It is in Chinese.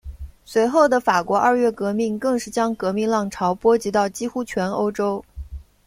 随后的法国二月革命更是将革命浪潮波及到几乎全欧洲。